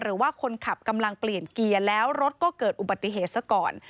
หรือว่าคนขับกำลังเปลี่ยนเกียร์แล้วรถก็เกิดอุบัติเหตุซะก่อน